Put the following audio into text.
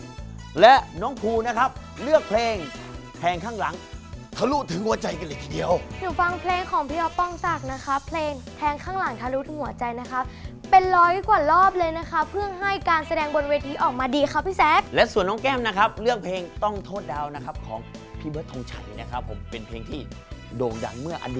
จันจันจันจันจันจันจันจันจันจันจันจันจันจันจันจันจันจันจันจันจันจันจันจันจันจันจันจันจันจันจันจันจันจันจันจันจันจันจันจันจันจันจันจันจันจันจันจันจันจันจันจันจันจันจันจัน